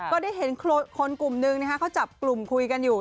ก็ได้เห็นคนกลุ่มนึงเขาจับกลุ่มคุยกันอยู่